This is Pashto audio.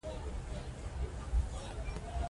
ترڅو د اسلام مبارک دين په حقيقي ډول تطبيق او عملي سي